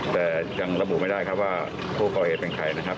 แต่ยังระบุไม่ได้ครับว่าผู้ก่อเหตุเป็นใครนะครับ